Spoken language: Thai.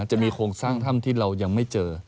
จะมีโครงสร้างถ้ำที่เรายังไม่เจอ